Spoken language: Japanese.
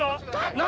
何？